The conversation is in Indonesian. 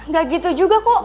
gak gitu juga kok